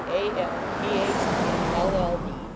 , A. M., Ph. D., LL. D.